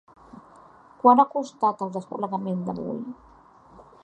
Quan ha costat el desplegament d’avui?